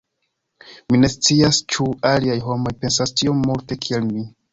Mi ne scias ĉu aliaj homoj pensas tiom multe kiel mi.